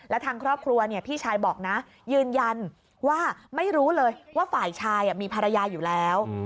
และทางครอบครัวพี่ชายบอกนะยืนยันว่าไม่รู้เลยว่าฝ่ายชายมีภรรยาอยู่แล้ว